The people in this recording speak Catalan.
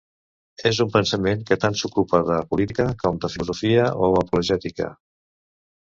És un pensament que tant s'ocupa de política com de filosofia o apologètica.